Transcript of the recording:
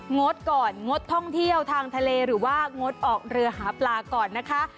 งดก่อนงดท่องเที่ยวทางทะเลหรือว่างดออกเรือหาปลาก่อนนะคะ